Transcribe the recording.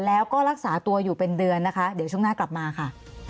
แล้วก็รักษาตัวอยู่เป็นเดือนนะคะเดี๋ยวช่วงหน้ากลับมาค่ะ